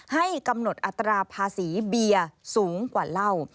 ให้กำหนดอัตราภาษีเบียร์สูงกว่าเหล้า